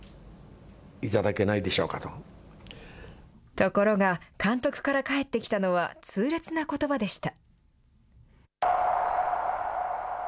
ところが、監督から返ってきたのは痛烈なことばでした。